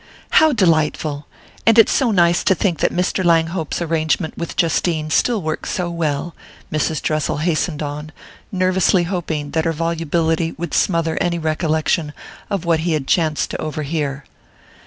"How delightful! And it's so nice to think that Mr. Langhope's arrangement with Justine still works so well," Mrs. Dressel hastened on, nervously hoping that her volubility would smother any recollection of what he had chanced to overhear.